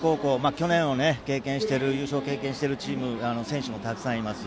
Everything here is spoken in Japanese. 去年の優勝を経験している選手もたくさんいます。